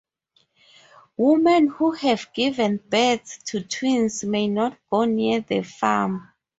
Women who have given birth to twins may not go near the farm.